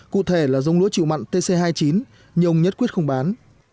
cụ thể là giống lúa chịu mặn tc hai mươi chín nhưng ông nhất quyết không bán